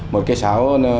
một cái xáo